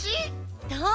どう？